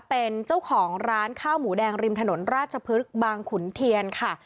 เป็นเจ้าของร้านข้าวหมูแดงริมถนนราชพฤกษ์บางขุนเทียนค่ะ